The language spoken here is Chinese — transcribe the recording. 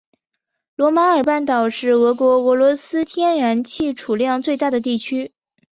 亚马尔半岛是俄罗斯天然气储量最大的地区。